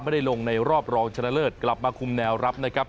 ลงในรอบรองชนะเลิศกลับมาคุมแนวรับนะครับ